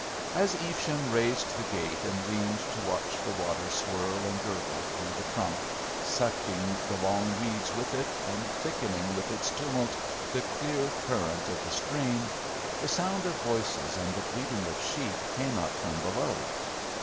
As Evesham raised the gate, and leaned to watch the water swirl and gurgle through the "trunk," sucking the long weeds with it, and thickening with its tumult the clear current of the stream, the sound of voices and the bleating of sheep came up from below.